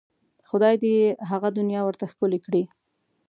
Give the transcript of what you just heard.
خدای دې یې هغه دنیا ورته ښکلې کړي.